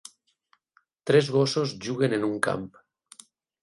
Tres gossos juguen en un camp